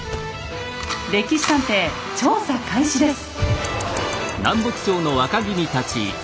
「歴史探偵」調査開始です。